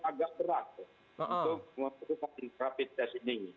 agak berat untuk melakukan rapid test ini